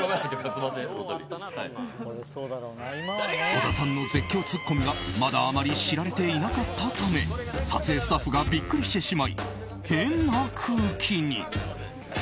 小田さんの絶叫ツッコミがまだ、あまり知られていなかったため撮影スタッフがビックリしてしまい、変な空気に。